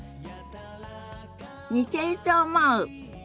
似てると思う。